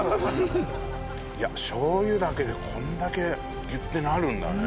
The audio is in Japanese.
いやしょう油だけでこれだけギュッてなるんだね。